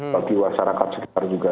bagi masyarakat sekitar juga